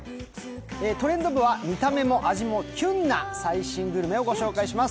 「トレンド部」は見た目も味もきゅんな最新グルメを御紹介します。